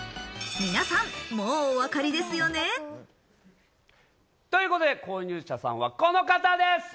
皆さん、もうお分かりですよね？ということで、購入者さんは、この方です！